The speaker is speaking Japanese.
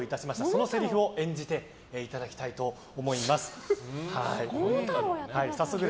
そのせりふを演じていただきたいと思います。